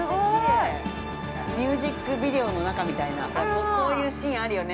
ミュージックビデオの中みたいなこういうシーンあるよね。